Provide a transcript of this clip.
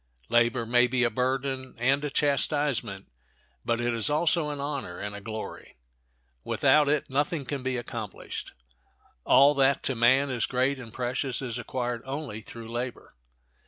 Labor may be a burden and a chastisement, but it is also an honor and a glory. Without it nothing can be accomplished. All that to man is great and precious is acquired only through labor.